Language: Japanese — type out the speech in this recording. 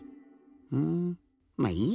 ふんまあいいや。